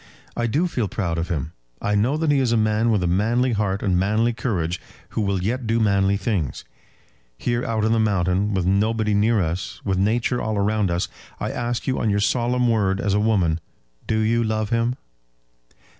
I do feel proud of him. I know that he is a man with a manly heart and manly courage, who will yet do manly things. Here out on the mountain, with nobody near us, with Nature all round us, I ask you on your solemn word as a woman, do you love him?"